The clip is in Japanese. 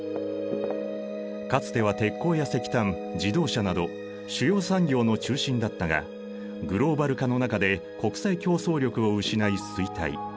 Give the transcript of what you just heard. かつては鉄鋼や石炭自動車など主要産業の中心だったがグローバル化の中で国際競争力を失い衰退。